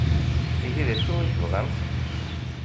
Ihi d acu i tebɣamt?